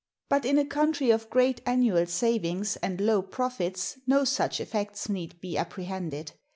But in a country of great annual savings and low profits no such effects need be apprehended.